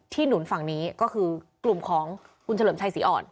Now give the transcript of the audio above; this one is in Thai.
หนุนฝั่งนี้ก็คือกลุ่มของคุณเฉลิมชัยศรีอ่อน